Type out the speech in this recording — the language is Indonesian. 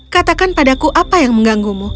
katakan padaku apa yang mengganggumu